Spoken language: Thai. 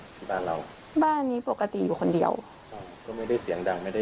ที่บ้านเราบ้านนี้ปกติอยู่คนเดียวใช่ก็ไม่ได้เสียงดังไม่ได้